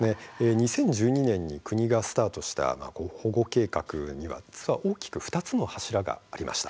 ２０１２年に国がスタートした保護計画には大きく２つの柱がありました。